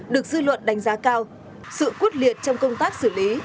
được dư luận đánh giá cao sự quốc liệt trong công tác xử lý